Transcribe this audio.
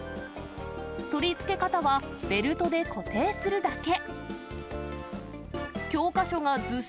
取り付け方は、ベルトで固定するだけ。